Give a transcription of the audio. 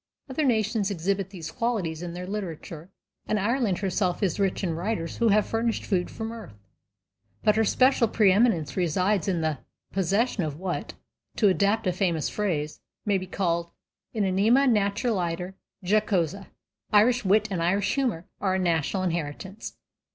Other nations exhibit these qualities in their literature, and Ireland herself is rich in writers who have furnished food for mirth. But her special pre eminence resides in the possession of what, to adapt a famous phrase, may be called an anima naturaliter jocosa. Irish wit and Irish humor are a national inheritance.